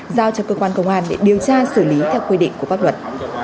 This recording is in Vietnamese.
giao cho cơ quan công an để điều tra xử lý theo quy định của pháp luật